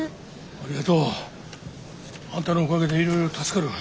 ありがとう。あんたのおかげでいろいろ助かるわ。